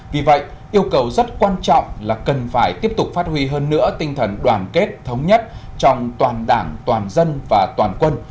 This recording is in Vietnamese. vì vậy yêu cầu rất quan trọng là cần phải tiếp tục phát huy hơn nữa tinh thần đoàn kết thống nhất trong toàn đảng toàn dân và toàn quân